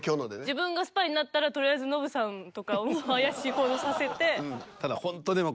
自分がスパイになったらとりあえずノブさんとかを怪しい方にさせて。